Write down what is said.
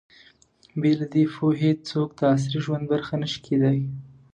بې له دې پوهې، څوک د عصري ژوند برخه نه شي کېدای.